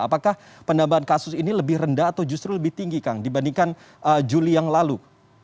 apakah penambahan kasus ini lebih rendah atau justru lebih tinggi kang dibandingkan juli yang lalu